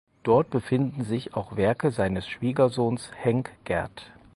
Dort befinden sich auch Werke seines Schwiegersohnes Henk Gerth.